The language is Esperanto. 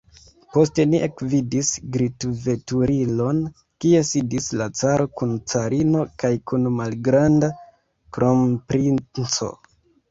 Poste ni ekvidis glitveturilon, kie sidis la caro kun carino kaj kun malgranda kronprinco.